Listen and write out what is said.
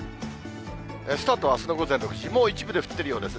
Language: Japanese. スタートはあすの午前６時、もう一部で降っているようです。